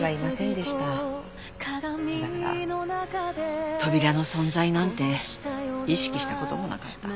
だから扉の存在なんて意識した事もなかった。